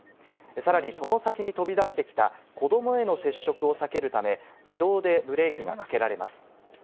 さらにその先に飛び出してきた子どもへの接触を避けるため、自動でブレーキがかけられます。